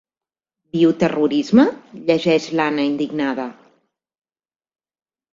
Bioterrorisme? —llegeix l'Anna, indignada—.